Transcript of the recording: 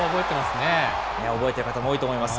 覚えている方も多いと思います。